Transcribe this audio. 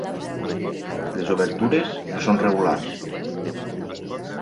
Les obertures no són regulars.